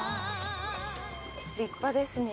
立派ですね。